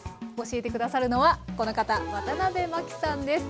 教えて下さるのはこの方渡辺麻紀さんです。